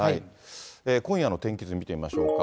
今夜の天気図、見てみましょうか。